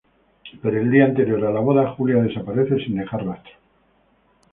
Pero el día anterior a la boda, Julia desaparece sin dejar rastro.